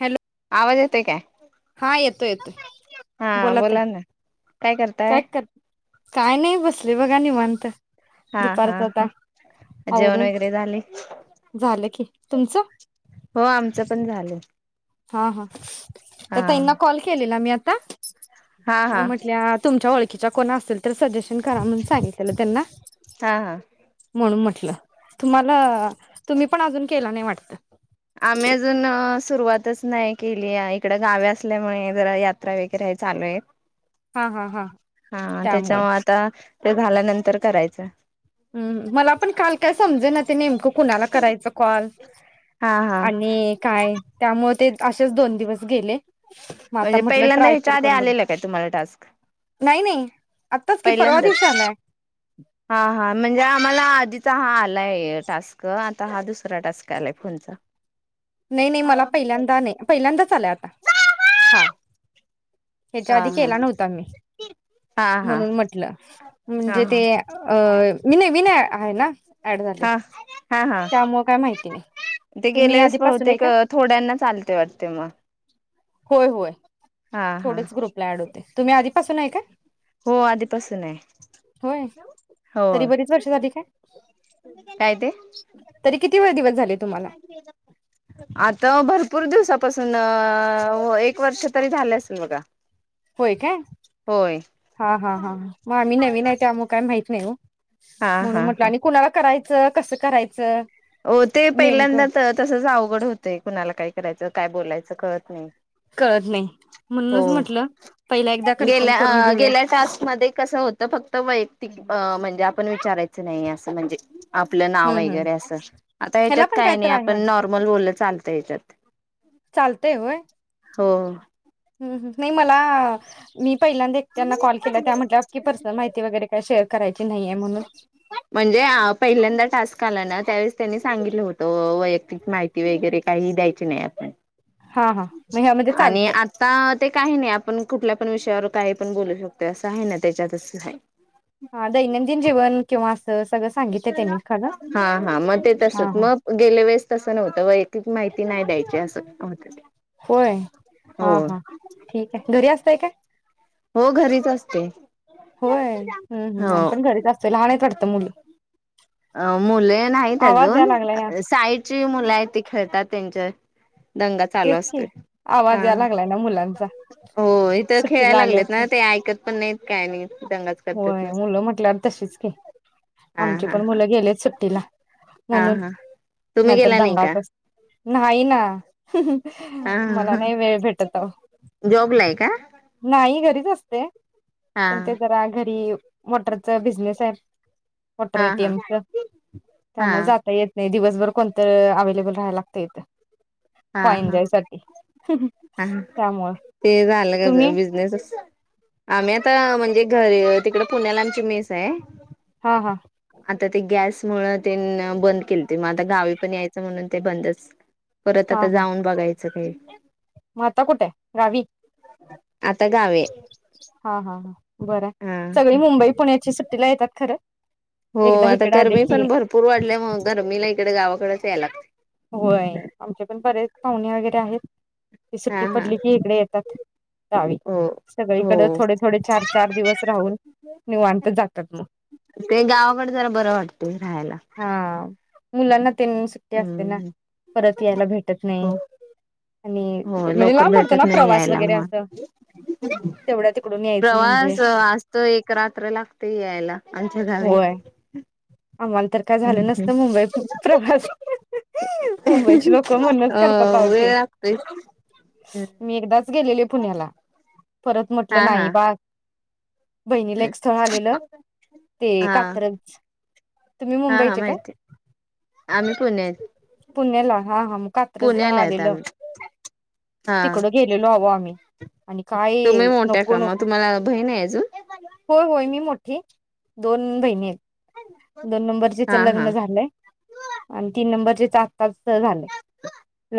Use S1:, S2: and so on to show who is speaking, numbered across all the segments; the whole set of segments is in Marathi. S1: हॅलो
S2: आवाज येतोय काय?
S1: हा येतो येतोय
S2: हा बोला ना काय करताय?
S1: काय नाही बसले बघा निवांत
S2: हा हा
S1: दुपारचं आता
S2: हा जेवण
S1: आवरून
S2: वगैरे झाले
S1: झालं की तुमचं
S2: हो आमचं पण झालं.
S1: हा हा त्या ताईना कॉल केलेला मी आ का?
S2: हा
S1: मग
S2: हा
S1: म्हटल्या तुमच्या ओळ तिच्या कोणा असेल तर सजेशन करा म्हणून सांगितलेलं त्यांना
S2: हा हा
S1: म्हणून म तुम्हाला तुम्ही पण अजून केला नाही वाटत.
S2: आम्ही अजून सुरुवातच नाही केली आहे इकड गाव असल्यामुळे जरा यात्रा वगैरे आहे चालू आहे.
S1: हा हा हा
S2: हा
S1: त्यामुळं
S2: त्याच्यामुळ आता ते झाल्यानंतर करायचं
S1: ह् मला पण काल काय समजे ना ते नेमकं कुणाला करायचं कॉल
S2: हा हा
S1: आणि काय त्यामुळे ते असेच दोन दिवस गेले मग आता
S2: म्हणजे
S1: म्हटलं
S2: पहिल्यांदा
S1: ट्राय
S2: ह्याच्या
S1: तरी
S2: आधी
S1: करून बघ
S2: आलेलं काय तुम्हाला टास्क?
S1: नाही नाही आत्ताच कि परवा
S2: पहिल्यांदाच
S1: दिवशी आलाय.
S2: हा हा म्हणजे आम्हाला आधीचा हा आलाय टास्क. आता हा दुसरा टास्क आलाय फोनचा
S1: नाही नाही मला पहिल्यांदा नाही पहिल्यांदाच आलाय आता हा ह्याच्या
S2: हा
S1: आधी
S2: हा
S1: केला नव्हता मी
S2: हा हा
S1: म्हणून म्हटलं
S2: हा
S1: म्हणजे ते
S2: हा
S1: अ मी नाही, मी नाही अ आहे ना? ऍड झाले
S2: हा हा हा
S1: त्यामुळे काय माहिती नाही
S2: ते
S1: तुम्ही
S2: गेलेच बहु
S1: आधीपासून
S2: ते
S1: आहे
S2: एक
S1: का
S2: थोड्यांना चालतय वाटत म.
S1: होय होय थोडेच ग्रुप ला ऍड होते. तुम्ही आधीपासून आहे का?
S2: हो आधीपासून आहे
S1: होय तरी
S2: हो
S1: बरीच वर्ष झाली काय
S2: काय ते
S1: तरी किती किती दिवस झाले तुम्हाला?
S2: आता भरपूर दिवसापासून अं होय एक वर्ष तरी झालं असेल बघा
S1: होय काय
S2: होय
S1: हा हा हा मग आम्ही नवीन आहे त्यामुळे काय माहित नाय ओ
S2: हा
S1: म्हणून
S2: हा
S1: म्हटलं
S2: हा
S1: आणि कुणाला कराय कसं कसं करायचं
S2: हो ते
S1: नेमकं
S2: पहिल्यांदा तसच अवघड होतय कुणाला काय करायचं? काय बोलायचं? कळत नाई
S1: कळत नाही
S2: हो
S1: म्हणूनच म्हटलं पहिला एकदा कन्फर्म
S2: गेल्या
S1: करून
S2: अ
S1: घेऊया
S2: गेल्या टास्क मध्ये कस होतं फक्त वैयक्तिक अ म्हणजे आपण विचारायचं नाही असं म्हणजे आपलं नाव
S1: हम्म हम्
S2: वगैरे असं आता
S1: ह्याला
S2: ह्याच्यात
S1: पण
S2: काय आणि
S1: तर आहे
S2: आपण
S1: वाट
S2: नॉर्मल बोल चालतय त्यात
S1: चालतय होय.
S2: हो
S1: हम्म हम्म नाही मला मी पहिल्यांदा एकट्यांना कॉल केला त्या म्हटल्या की पर्सनल माहिती वगैरे काय शेअर करायचं
S2: म्हणजे पहिल्यांदा टास्क आला ना त्यावेळेस त्यांनी सांगितलं होतं. वैयक्तिक माहिती वगैरे काही द्यायची नाही आपण
S1: हा हा मग ह्यामध्ये
S2: आणि
S1: चालतंय
S2: आता ते काही नाही आपण कुठल्या आपण विषयावर काही पण बोलू शकतो असं आहे ना त्याच्यातच
S1: हा दैनंदिन जीवन किंवा असं सगळं सांगितलं त्यांनी खरं
S2: हा हा मग ते
S1: हा
S2: तसच
S1: हा
S2: मग गेल्या वेळेस तस नव्हतं वयक्तीत माहिती नाही द्यायची असं हो
S1: होय हा हा ठीक आहे घरी् अस काय
S2: हो घरीच अस
S1: होय हम् हम्म
S2: हो
S1: आम्ही पण घरीच असतोय, लहान आहेत वाटतं मुलं
S2: अ मुलं नाहीत
S1: आवाज
S2: अजून
S1: या लागलाय ना
S2: साईडची मुलं आहेत ती खेळतात त्यांच्या दंगा चालू
S1: तेच की
S2: असतोय
S1: आवाज
S2: हा
S1: या
S2: ह
S1: लागलाय ना मुलांचा
S2: हो इथ
S1: सुट्टीला
S2: खेळायला
S1: आले
S2: लागलेत
S1: असते
S2: ना ते ऐकत पण नाहीत, काय नाही दंगा
S1: होय मुलं म्हटल्यावर तशीच की,
S2: हा
S1: आमची
S2: हा
S1: पण
S2: हा
S1: मुलं सुट्टीला
S2: हा
S1: म्हणून
S2: हा तुम्ही
S1: नाहीतर
S2: गेला नाही का
S1: दंगाच नाही ना
S2: हा
S1: मला
S2: हा
S1: नाही वेळ भेटत अवो
S2: जॉबला आहे का
S1: नाही घरी असते
S2: हा
S1: पण ते जरा मोटरचा बिजनेस आहे आमचा मोटार
S2: हा हा
S1: येतिमचा
S2: हा
S1: त्यामुळे जाता येत नाही दिवसभर कोणत अवे्लेबल राहाय लागत येत
S2: हा हा
S1: त्यामुळं
S2: ते झालं का
S1: तुम्ही
S2: बिजनेसच आम्ही आता म्हणजे घ तिकडे पुण्याला आमची मेस आहे
S1: हा हा
S2: आता ते गॅस मूळ तेन बंद केलती म आता गावी पण यायचं म्हणून बंदच परत
S1: हा
S2: आता
S1: हा
S2: जाऊन बघायचं. [inaudible]
S1: मग आता कुट आहे गावी
S2: आता गावी
S1: हा हा बर आहे
S2: हा
S1: सगळी मुंबई पुण्याची सुट्टीला येतात खरं
S2: हो
S1: एकदा
S2: आता
S1: इकडे आले
S2: गर्मी
S1: की
S2: पण भरपूर वाढल्या मूळ गर्मीला इकडं गावाकडचं याय लागतय
S1: होय आमचे पण बरेच पाहुणे वगैरे आहेत की सुट्टी
S2: हा हा
S1: पडली की हिकड येतात गावी
S2: हो हो
S1: सगळीकडेच थोडे -थोडे, चार - चार दिवस राहून नीवांत जातात मग
S2: ते गावाकडे जरा बरं वाटते राहायला
S1: हा मुलांना तेन सुट्टी
S2: [inaudible]
S1: ना परत यायला भेटत नाही
S2: हो
S1: आणि म्हणजे
S2: लवकर
S1: लांब पडतो ना
S2: भेटत नाही
S1: प्रवास
S2: यायला
S1: वगैरे असं
S2: मग
S1: तेवढ्या तिकडून
S2: [inaudible]
S1: यायचं म्हणजे
S2: प्रवास असते एक रात्र लागते यायला आमच्या गावी
S1: होय आम्हाला तर काय
S2: हम्म
S1: झालं
S2: हम्म.
S1: नसतं मुंबई पु प्रवास मुंबईची लोक म्हणूनच
S2: अ
S1: करतात अहो ते.
S2: वेळ लागतोय
S1: मी एकदाच गेलेले पुण्याला. परत म्हटलं
S2: हा
S1: नाही
S2: हा
S1: बास बहिणीला एक स्थळ आलेलं ते
S2: हा
S1: कात्रज. तुम्ही
S2: हा हा
S1: मुंबईचे काय?
S2: माहितीये आम्ही पु
S1: पुण्याला हा हा म कात्रजला
S2: पुण्याला आहेत
S1: आलेलो
S2: आम्ही हा
S1: तिकडं गेलेलो आहो आम्ही आणि काय
S2: तुम्ही मोठ्या का मग
S1: नको-नको
S2: तुम्हाला बहीण आहे अजून
S1: होय-होय मी मो ती दोन बहिणी आहेत. दोन नंबरचीच
S2: हा हा
S1: लग्न झालंय. तीन नंबरचीचा आत्ताच तर झालंय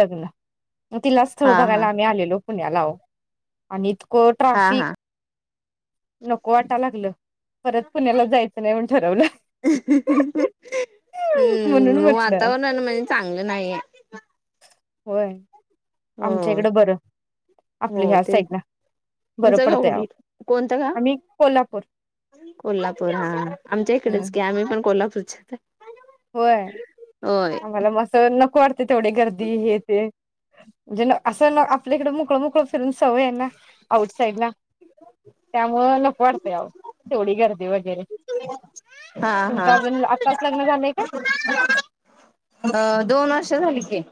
S1: लग्न मग तिलाच स्थळ
S2: हा
S1: बघायला
S2: हा
S1: आम्ही आलेलो पुण्याला अहो आणि इथं इतकं
S2: हा
S1: ट्राफिक
S2: हा
S1: नको वाटा लागलं परत पुण्याला जायचं नाही म्हणून ठरवलं म्हणून मग
S2: तवा नणंद माझी चांगली नाहीये.
S1: होय. आमच्या
S2: होय
S1: इकडं बरं
S2: हो
S1: आपलं ह्या
S2: ते
S1: साईडला बरं
S2: तुमचं गाव
S1: पडतंय अहो
S2: कुठलं? कोणतं गाव?
S1: आम्ही कोल्हापूर
S2: कोल्हापूर हा आमच्या इकडेच
S1: हम्म
S2: की आम्ही पण कोल्हापूर [inaudible]
S1: होय आम्हाला मग असं नको वाटतंय तेवढी गर्दी हे ते म्हणजे न असं ना आपल्या इकडे मोकळ-मोकळ फिरून सवया आहे ना आउट साईडला त्यामुळ नको वाटतय अहो तेवढी गर्दी वगैरे
S2: हा
S1: तुमच
S2: हा
S1: अजून आताच लग्न झालंय का
S2: अ दोन वर्ष झाली की.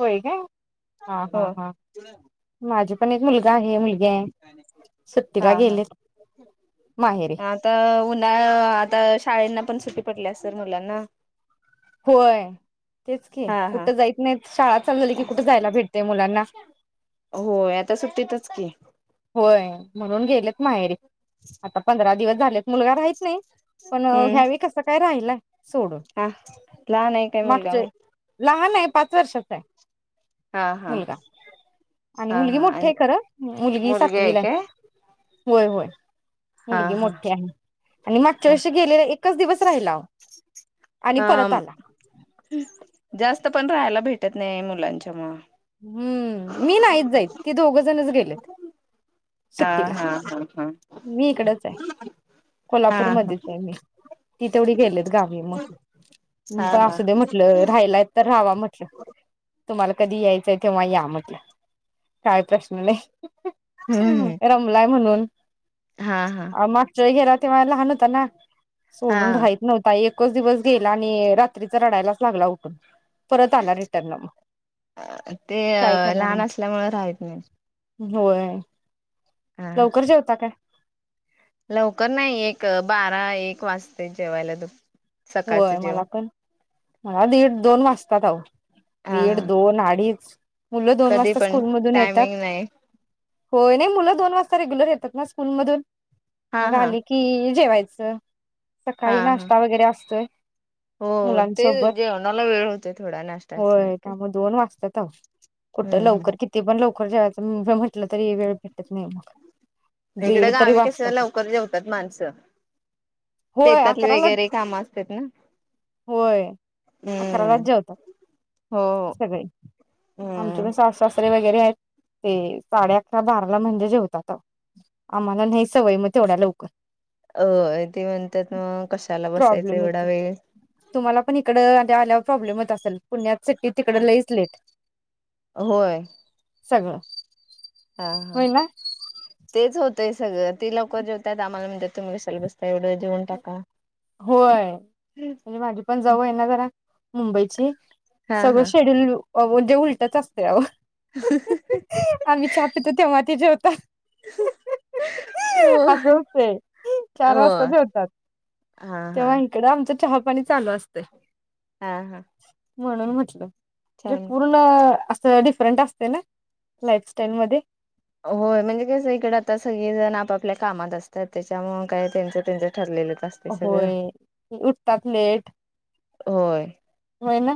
S1: होय काय? हा
S2: हो
S1: हा हा माझी पण एक मुलगा आहे मुल या सुट्टीला
S2: हा हा
S1: गेलेत. माहेरी
S2: आता उन्हाळ आता शाळेना पण सुट्टी पडल्या असलं मुलांना
S1: होय तेच की
S2: हा हा
S1: कुठं जाईत नाही. शाळा चालू झाली की कुठ जायला भेटतंय मुलांना.
S2: होय आता सुट्टीतच की
S1: होय म्हणून गेलेत माहेरी. आता पंधरा दिवस झाले. मुलगा राहीत नाही, पण
S2: हम्म
S1: ह्या वेळी कस काय राहिलाय सोडून,
S2: हा लहान आहे काय मुलगा
S1: मागच्या
S2: मग
S1: लहान आहे. पाच वर्षाचा आहे.
S2: हा हा
S1: मुलगा आणि
S2: हा
S1: मुलगी
S2: हा
S1: मोठी
S2: आणि
S1: आहे खरं. मुलगी
S2: मुलगी हाय
S1: सातवीला आहे
S2: काय....
S1: होय, होय.
S2: हा
S1: मुलगी
S2: हा
S1: मोठी आहे आणि मागच्या
S2: हा
S1: वर्षी गेलेले एक एकच दिवस राहिलाव.
S2: हा जास्त तिथं पण राहायला भेटत नाही मुलांच्या मूळ...
S1: हम्म मी नाहीत जाईत ते दोघंजणच गेलेत.
S2: हा
S1: सुट्टीला
S2: हा हा
S1: मी इकडच आहे
S2: हा हा
S1: कोल्हापूरमध्येच आहे मी. ती तेवढी गेलेत गावी मग,
S2: हा हा
S1: असु दे म्हटलं राहायलाय तर राहावा म्हटलं‌. तुम्हाला कधी याय तेव्हाही या म्हटलं काय प्रश्न नाही...
S2: हम्म
S1: रमलाय म्हणून
S2: हा हा
S1: मागच्या वेळी गेला तेव्हा लहान होता ना.
S2: हा
S1: सोडून राहित नव्हता एकच दिवस गेला आणि रात्रीच रडायलाच लागला उठून परत आला रिटर्न मग.
S2: ते
S1: काय करणार
S2: लहान असल्यामुळं राहत नाहीत.
S1: होय. लवकर जेवता काय पण?
S2: लवकर नाही एक बारएक वाजता जेवायला एक वाजते? सकाळचं
S1: होय मला
S2: जेवण
S1: पण मला दीड दोन वाजतात अहो.
S2: हा
S1: दीड
S2: हा
S1: दोन अडीच मुलं दोन
S2: कधी
S1: वाजता
S2: पण
S1: स्कूलमधून येतात...
S2: टायमिंग नाही
S1: होय नई मुलं दोन वाजता रेग्युलर येतात ना स्कूलमधून.
S2: हा
S1: मग
S2: हा
S1: आली की जेवायचं. [inaudible]
S2: हा
S1: सकाळी
S2: हा
S1: नाष्टा वगैरे अस [inaudible]
S2: हो ते
S1: मुलांसोबत
S2: जेवणाला वेळ होते थोडा नाश्ता असल्या
S1: होय
S2: की
S1: त्यामुळं दोन वाजत्यात आहो कुट
S2: हम्म
S1: लवकर किती पण लवकर पण जेवायचं म्हटलं तरी वेळ भेटत नाही मग दीड
S2: हिकडं
S1: तरी
S2: गावी कसं
S1: वाजतात
S2: लवकर जेवतात मानस
S1: होय
S2: शेतातली
S1: अकराला
S2: वगैरे काम असत...
S1: होय अकरालाच
S2: हम्म.
S1: जेवतात
S2: हो.
S1: सगळे आमची पण
S2: हम्म.
S1: सासू सासरे वगैरे आहेत. ते साडे अकरा बाराला म्हणजे जेवतात आम्हाला नाही सवय मग तेवढ्या लवकर....
S2: अ ते म्हणतात मग कशाला बसायचं
S1: प्रॉब्लेम
S2: एवढं
S1: होते
S2: वेळ
S1: तुम्हाला पण इकडं आल्या आल्यावर प्रॉब्लेम येत असल पुण्यात सुट्टीत तिकड लईच लेट
S2: होय...
S1: सगळं...
S2: हा हा
S1: होय ना
S2: तेचं हो... ते सगळं ती लवकर जेवतात आम्हाला म्हणत्यात तुम्ही कशाला बसताय येवढं जेवून टाका.
S1: होय म्हणजे माझी पण जाऊ आहे ना जरा मुंबईची
S2: हा हा
S1: सगळंच शेड्युल अहो ते उलटच असतय आहो आम्ही चहा पितोय तेंव्हा ती जेवतात
S2: हो
S1: अस होतंय चार वासता
S2: हा
S1: जेवतात.
S2: हा
S1: तेंव्हा हिकडं ते चहा पाणी चालू असतय.
S2: हा हा
S1: म्हणून म्हटलं. म्हणजे
S2: चार मिनट.
S1: पूर्ण अस डिफरंट असतय ना लाईफस्टाईल मध्ये
S2: होय म्हणजे कस इकडे आता सगळे जण आप आपल्या कामात असतात त्याच्या मूळ काय त्यांच त्यांच ठरलेलं.
S1: होय उठतात लेट
S2: होय
S1: होय ना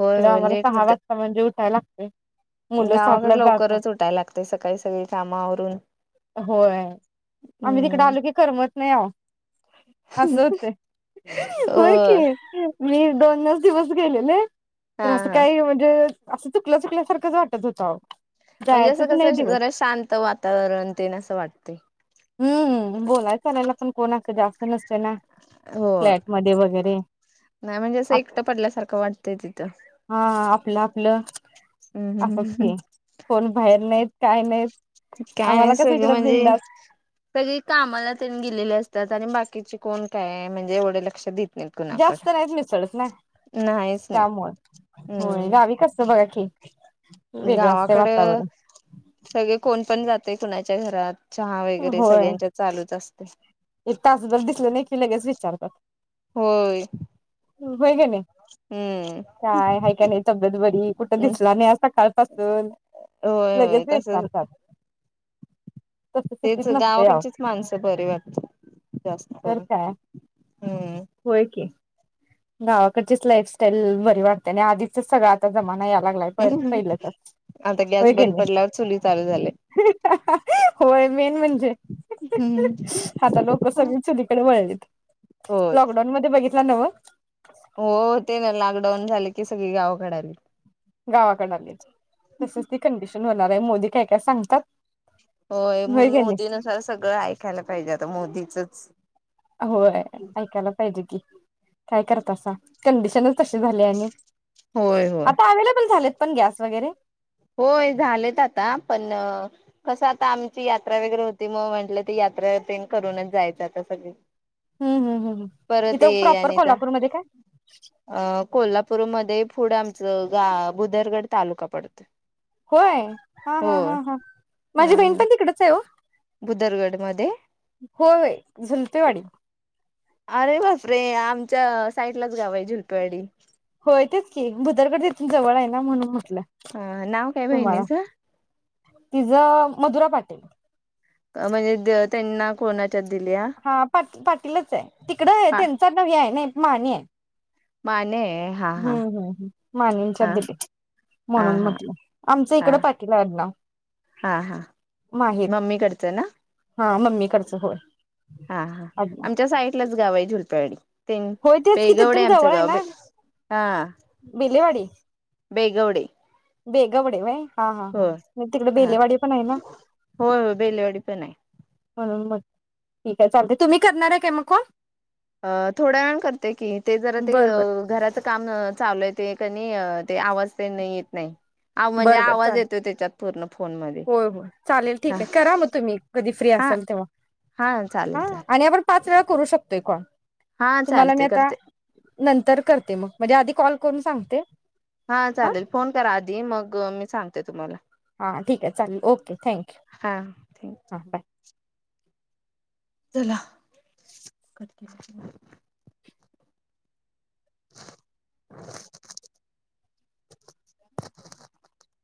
S2: होय
S1: इकडं
S2: होय
S1: आम्हाला
S2: लेट
S1: सहा
S2: होत
S1: वाजता म्हणजे उठाय लागत.
S2: गावाकडे लवकरच उठायला लागते सकाळी सगळी काम आवरून.....
S1: होय आम्ही तिकडे
S2: हम्म
S1: आलो की करमत नाही आहो अस होते
S2: अ
S1: होय की मी दोनच दिवस... गेलेले
S2: हा
S1: तर असं
S2: हा
S1: काही म्हणजे असं चुकलं चुकल्यासारखंच वाटत होतं अहो.
S2: म्हणजे असं कसं जरा शांत वातावरण तेन वाटतंय
S1: हूं बोला चालायला पण कोण असं जास्त नसतंय ना
S2: हो
S1: फ्लॅट मध्ये वगैरे
S2: नाही म्हणजे असं एकट पडल्यासारखं वाटत. ते तिथं
S1: हा आपलं आपलं असंच
S2: हम्म
S1: की कोण बाहेर नाहीत काय नाहीत
S2: काय नाय
S1: आम्हाला कसं
S2: सगळ
S1: इकडं
S2: म्हणजे
S1: बिंदास
S2: सगळी कामाला तेन गेलेली अस त्यात आणि बाकीचे कोण काय? म्हणजे एवढे लक्ष दित
S1: जास्त नाहीत मिसळत ना
S2: नाहीच नाही
S1: त्यामुळ होय
S2: हम्म
S1: गावी कस बघा की वेगळं असतंय
S2: गावाकड
S1: वातावरण
S2: सगळे कोण पण जातय कुणाच्या घरात चहा वगैरे
S1: होय
S2: सगळ्यांच्यात चालूच असतय रिकामा ऑडिओ [inaudible]
S1: ते लगेच विचारतात.
S2: होय
S1: होय का नाय?
S2: हम्म
S1: काय हाय काय नाय तब्येत बरी? कुठे दिसला नाही आज सकाळ पासून
S2: होय
S1: लगेच
S2: होय तसच
S1: विचारतात. तसं
S2: तेच
S1: सिटीत नसतंय अहो
S2: गावाकडचीच माणसं बरी वाट जास्त
S1: तर
S2: खर
S1: काय
S2: [inaudible] हूं
S1: [inaudible] गावाकडचीच लाईफस्टाईल बरी वाटते आणि आधीच सगळ आ आता जमाना यालागलाय प पहिल्याचा
S2: आता गॅस
S1: होय की
S2: बंद
S1: नाही.
S2: पडल्यावर चुली चालू झाले
S1: होय मेन म्हणजे आता लोकं सगळी चुलीकडे वळलीत.
S2: होय
S1: लॉकडाऊनमध्ये बघी [unintelligible]
S2: डाऊन झाली की सगळी गावकड आली.
S1: गावाकडन आलीत तसच ते कंडिश होणार हाय मोदी काय काय सांगतात.
S2: होय म्हणून
S1: का नाही
S2: मोदी नुसार सगळं ऐकायला पाहिजे आता मोदी चच
S1: होय ऐकायला पाहिजे की? काय करत असा कंडिशनच कशी झाले आण
S2: होय होय
S1: आता अवेलेबल झालेत. पण गॅस वगैरे.
S2: होय झालेत आता पण कस आता आमची यात्रा वगैरे होती म म्हटल ते यात्रा तेन करूनच जायच आता सगळे
S1: हं हं हं हं इथ प्रॉपर
S2: आणि जा
S1: कोल्हापूरमध्ये काय?
S2: पुढ आमच गाव बुदरगड तालुका पडतोय.
S1: होय हा हा हा हा
S2: हा
S1: माझी बहीण
S2: हा
S1: पण तिकडेच आहे ओ
S2: बुदरगड मध्ये
S1: होय होय झुलतेवाडी
S2: अरे बापरे आमच्या साईडलाच गाव आहे झुलपेवाडी
S1: होय तेच की भुदरकड तिथून जवळ आहे ना म्हणून म
S2: हा नाव काय बहिणीच?
S1: तिज मधुरा पाटील
S2: म्हणजे त्यांना कोणा
S1: हा पा पाटीलच आहे तिकडे
S2: पा
S1: त्यांचा आडनाव हे आहे ना? रिकामा ऑडिओ
S2: माने. हा हा
S1: हम्म हम् हम माने
S2: हा
S1: च्यात
S2: हा
S1: म्हणून
S2: हा
S1: म्हटल आमच
S2: हा
S1: इकड पाटील आहे अडनाव
S2: हा हा
S1: माहेर
S2: मम्मीकडचं ना
S1: हा मम्मी कडचं होय
S2: हा हा
S1: आडनाव
S2: आमच्या साईडलाच गाव आहे झुल तायडे
S1: होय तेच की तिथून जवळ आहे ना
S2: हा
S1: बेलेवाडी
S2: बेगवडे
S1: बेगवडे व्हय हा हा हा
S2: होय
S1: मग तिकडे
S2: होय हा
S1: बेलेवाडी पण आहे ना
S2: होय होय बेलेवाडी पण हाय
S1: [unintelligible] ठीक आहे चालतंय तुम्ही करणार आहे का म कॉल?
S2: ह थोड्यावेळाने करते की ते जरा ते
S1: बरं बरं
S2: अअ घराच कामं चालू आहे ते कनी ते आवाज ते येत नाय
S1: बरं बरं चाल
S2: फोनमध्ये
S1: होय होय चालेल
S2: हा
S1: ठीकये करा मग तुम्ही कधी फ्री
S2: हा
S1: असाल
S2: हा चालेल
S1: तेव्हा
S2: चालेल
S1: आणि आपण पाच वेळा करू शकतोय कॉल.
S2: हा
S1: तुम्हाला मी
S2: चालते
S1: आता
S2: करते
S1: नं तर करते मग म्हणजे आधी कॉल करून सांगते.
S2: हा चालेल फोन करा आद ते मग मी सांगते तुम्हाला
S1: हा ठीकये चालेल ओके थँक्यु
S2: हा थँक्यू
S1: हां बाय.
S2: चला करते [inaudible] [inaudible]